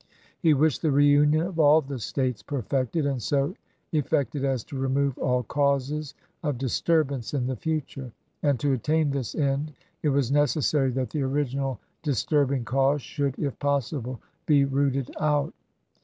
He wished the reunion of all the States perfected, and so effected as to remove all causes of disturbance in the fu ture; and to attain this end it was necessary that the original disturbing cause should, if possible, be rooted out.